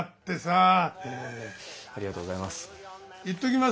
ありがとうございます。